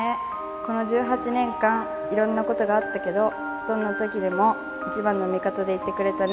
この１８年間、いろんなことがあったけど、どんなときでも一番の味方でいてくれたね。